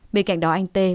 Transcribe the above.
bên cạnh đó anh t